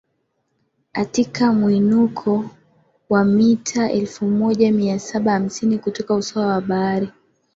atika muinuko wa mita elfu moja mia saba hamsini kutoka usawa wa bahari